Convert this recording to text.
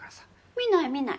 見ない見ない。